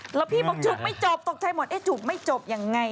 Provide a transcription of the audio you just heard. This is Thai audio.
แล้วพี่บอกจูบไม่จบตกแต่จุบไม่จบยังไง